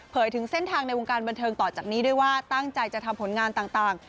ถึงเส้นทางในวงการบันเทิงต่อจากนี้ด้วยว่าตั้งใจจะทำผลงานต่าง